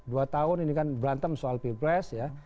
dua tahun ini kan berantem soal p press ya